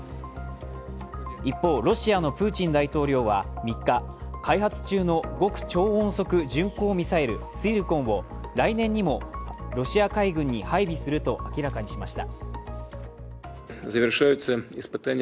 一方、ロシアのプーチン大統領は３日、開発中の極超音速ミサイル、ツィルコンを来年にもロシア海軍に配備すると明らかにしました。